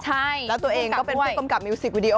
ใช่แล้วตัวเองก็เป็นผู้กำกับมิวสิกวิดีโอ